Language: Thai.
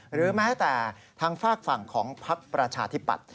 หรือแม้แต่ทางฝากฝั่งของพักประชาธิปัตย